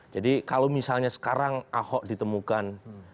jadi kalau misalnya sekarang ahok ditemukan